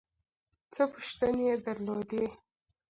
څه پوښتنې یې درلودې.